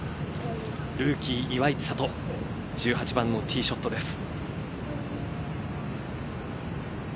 ルーキー岩井千怜１８番のティーショットです。